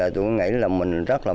tôi nghĩ là mình rất là